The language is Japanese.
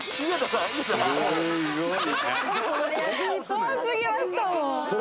怖すぎましたもんそら